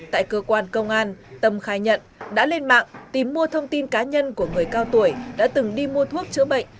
tại cơ quan công an tâm khai nhận đã lên mạng tìm mua thông tin cá nhân của người cao tuổi đã từng đi mua thuốc chữa bệnh